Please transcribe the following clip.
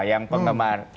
yang penggemar retoran